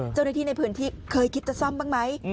เจ้าหน้าที่ในพื้นที่เคยคิดจะซ่อมบ้างไหม